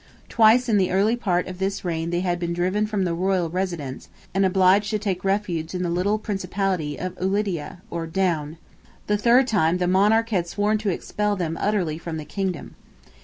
Twice in the early part of this reign they had been driven from the royal residence, and obliged to take refuge in the little principality of Ulidia (or Down); the third time the monarch had sworn to expel them utterly from the kingdom.